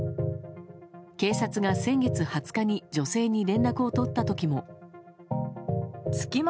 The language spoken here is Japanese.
警察が先月２０日に女性に連絡を取った時も。